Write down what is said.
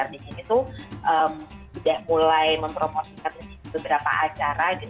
dari peserta peserta ini tuh udah mulai mempromosikan beberapa acara gitu